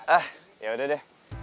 ah ya udah deh